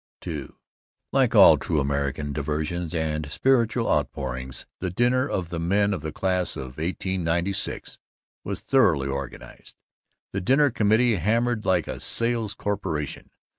II Like all true American diversions and spiritual outpourings, the dinner of the men of the Class of 1896 was thoroughly organized. The dinner committee hammered like a sales corporation.